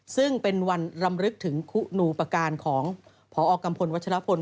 ซึ่งเป็นวันรำลึกถึงขุนูปการของพกรรมพลวัชฌาภนธ์